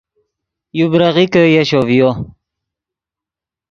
یو بریغیکے یشو ڤیو